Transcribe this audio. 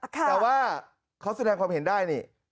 แต่ว่าเขาแสดงความเห็นได้นี่